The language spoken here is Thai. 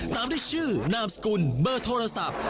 ตามด้วยชื่อนามสกุลเบอร์โทรศัพท์